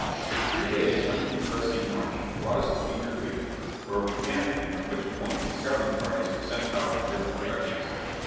A three days uninteresting march brought us to Beaver Creek where we camped and from which point scouting parties were sent out in different directions.